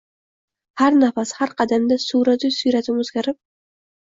Har nafas, har qadamda suvratu siyratim oʼzgarib